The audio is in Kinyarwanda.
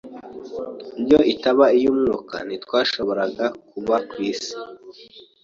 Iyo itaba iy'umwuka, ntitwashoboraga kubaho ku isi.